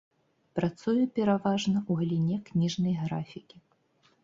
Працуе пераважна ў галіне кніжнай графікі.